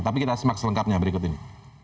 tapi kita simak selengkapnya berikut ini